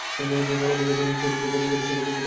অলিখিত নিয়ম ছিল—যে পথে যাবে, সেই একই পথে ফেরা চলবে না।